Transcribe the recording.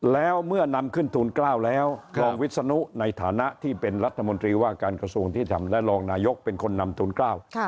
แล้วเมื่อนำขึ้นทูล๙แล้วรองวิศนุในฐานะที่เป็นรัฐมนตรีว่าการกระทรวงที่ทำและรองนายกเป็นคนนำทูลเกล้า